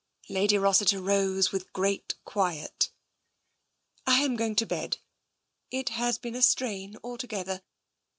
*' Lady Rossiter rose with great quiet. " I am going to bed. It has been a strain, alto gether.